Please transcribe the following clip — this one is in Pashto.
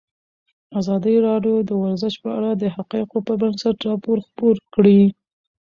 ازادي راډیو د ورزش په اړه د حقایقو پر بنسټ راپور خپور کړی.